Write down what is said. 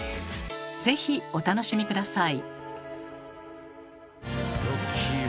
是非お楽しみ下さい。